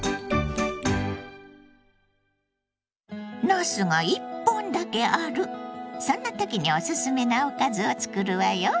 なすが１本だけあるそんな時にオススメなおかずを作るわよ。